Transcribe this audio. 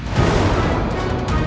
kak v lu